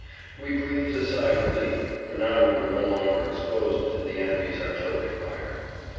We breathed a sigh of relief, for now we were no longer exposed to the enemy's artillery fire.